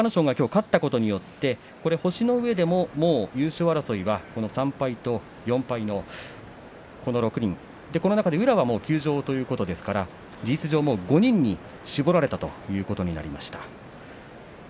星のうえでも優勝争いは３敗と４敗宇良は休場ということですから事実上、５人に絞られたということになりました。